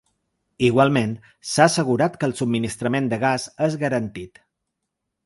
Igualment s’ha assegurat que el subministrament de gas és garantit.